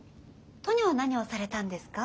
トニョは何をされたんですか？